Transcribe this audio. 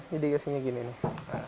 jadi rasanya gini nih